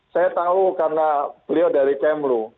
saya tahu karena beliau dari kmlu